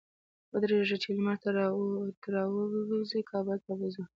ودرېږه! چې لمر تر اوره ووزي؛ کابل ته به ځو.